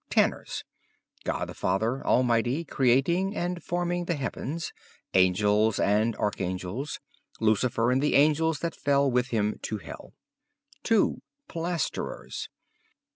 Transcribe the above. Tanners. God the Father Almighty creating and forming the heavens, angels and archangels, Lucifer and the angels that fell with him to hell. 2. Plasterers.